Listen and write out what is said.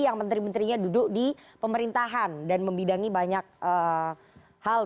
yang menteri menterinya duduk di pemerintahan dan membidangi banyak hal